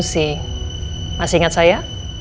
nusi masih ingat saya